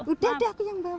udah deh aku yang bawa